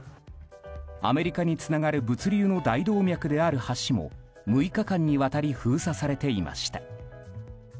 アメリカにつながる物流の大動脈である橋も６日間にわたり封鎖されていました。